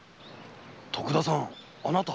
徳田さんあなた？